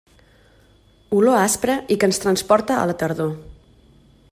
Olor aspra i que ens transporta a la tardor.